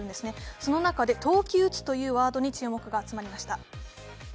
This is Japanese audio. その中で冬季うつというワードに注目が集まりました。